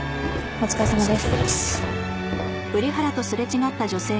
お疲れさまです。